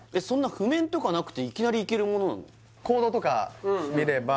そんな譜面とかなくていきなりいけるものなの？